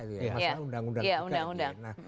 masalah undang undang juga